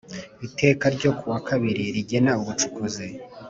iteka ryo ku wa kabiri rigena ubucukuzi